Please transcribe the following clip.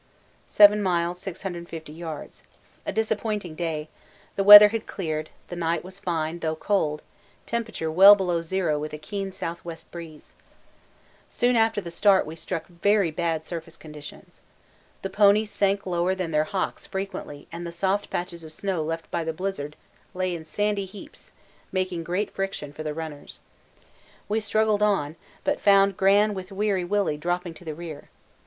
7 miles 650 yards. A disappointing day: the weather had cleared, the night was fine though cold, temperature well below zero with a keen S.W. breeze. Soon after the start we struck very bad surface conditions. The ponies sank lower than their hocks frequently and the soft patches of snow left by the blizzard lay in sandy heaps, making great friction for the runners. We struggled on, but found Gran with Weary Willy dropping to the rear.